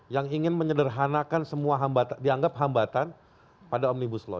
yang ingin menyederhanakan semua dianggap hambatan pada omnibus law